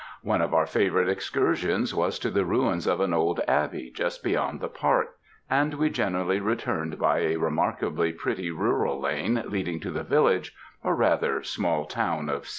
One of our favourite excursions was to the ruins of an old abbey just beyond the park, and we generally returned by a remarkably pretty rural lane leading to the village, or rather, small town of C.